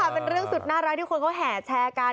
เป็นเรื่องสุดน่ารักที่คนเขาแห่แชร์กัน